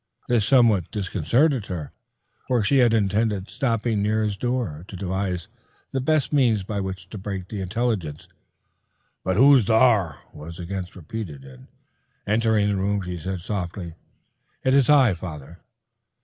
This somewhat disconcerted her, for she had intended stopping near his door, to devise the best means by which to break the intelligence. But "Who's thar?" was again repeated, and entering the room she said softly, "It's I, father."